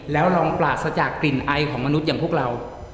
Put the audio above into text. แล้วลองปราศจากกลิ่นไอของมนุษย์อย่างพวกเรา